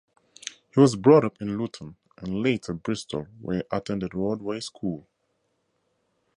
He was brought up in Luton and later Bristol, where he attended Rodway School.